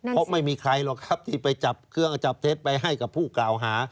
เพราะไม่มีใครหรอกครับที่ไปจับเครื่องจับเท็จไปให้กับผู้กล่าวหา